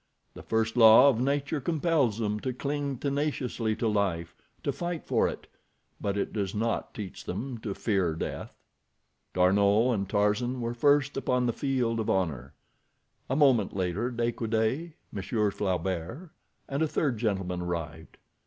The first law of nature compels them to cling tenaciously to life—to fight for it; but it does not teach them to fear death. D'Arnot and Tarzan were first upon the field of honor. A moment later De Coude, Monsieur Flaubert, and a third gentleman arrived.